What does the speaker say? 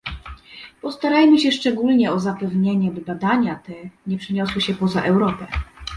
Postarajmy się szczególnie o zapewnienie, by badania te nie zostały przeniesione poza Europę